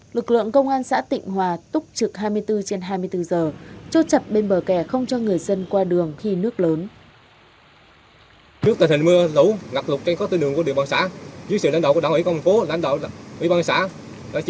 lực lượng công an xã tịnh phong đã có mặt điều tiết hỗ trợ phương tiện giao thông qua đoạn đường này